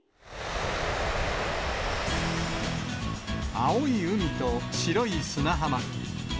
青い海と白い砂浜。